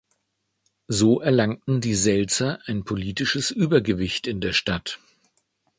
So erlangten die Sälzer ein politisches Übergewicht in der Stadt.